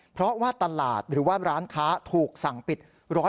เพราะว่าตลาดหรือว่าร้านค้าถูกสั่งปิด๑๐๐